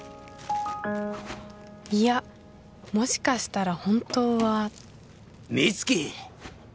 いやもしかしたら本当は美月！